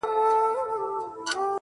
زه به هم داسي وكړم.